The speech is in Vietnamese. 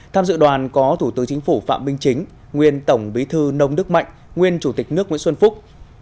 tham dự đoàn có thủ tướng chính phủ phạm minh chính nguyên tổng bí thư nông đức mạnh nguyên chủ tịch nước nguyễn xuân phúc